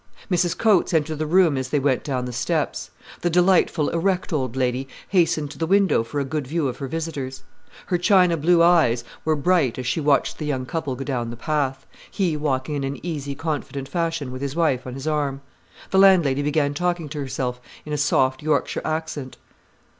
Mrs Coates entered the room as they went down the steps. The delightful, erect old lady hastened to the window for a good view of her visitors. Her china blue eyes were bright as she watched the young couple go down the path, he walking in an easy, confident fashion, with his wife, on his arm. The landlady began talking to herself in a soft, Yorkshire accent.